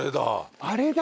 あれだ！